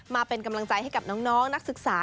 มาเป็นกำลังใจให้กับน้องนักศึกษา